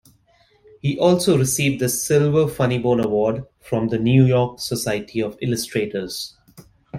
He also received the Silver Funnybone Award from The New York Society of Illustrators.